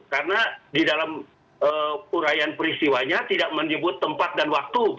karena di dalam uraian peristiwanya tidak menyebut tempat dan waktu